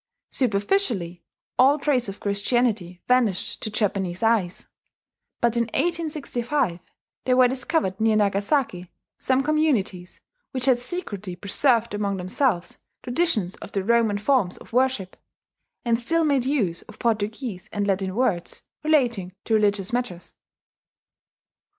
Superficially, all trace of Christianity vanished to Japanese eyes; but in 1865 there were discovered near Nagasaki some communities which had secretly preserved among themselves traditions of the Roman forms of worship, and still made use of Portuguese and Latin words relating to religious matters.